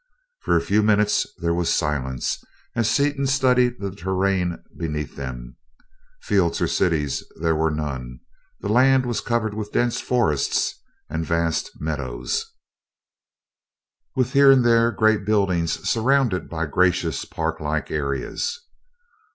For a few minutes there was silence, as Seaton studied the terrain beneath them. Fields or cities there were none; the land was covered with dense forests and vast meadows, with here and there great buildings surrounded by gracious, park like areas.